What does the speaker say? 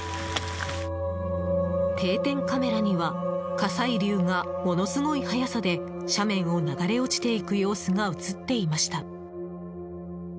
定点カメラには火砕流がものすごい速さで斜面を流れ落ちていく様子が映っていました。